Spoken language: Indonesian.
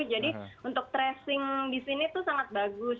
jadi untuk tracing di sini itu sangat bagus